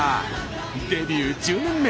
デビュー１０年目。